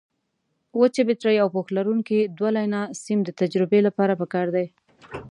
وچې بټرۍ او پوښ لرونکي دوه لینه سیم د تجربې لپاره پکار دي.